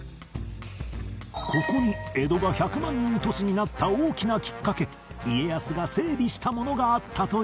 ここに江戸が１００万人都市になった大きなきっかけ家康が整備したものがあったという